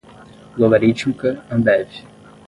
logarítmica, Ambev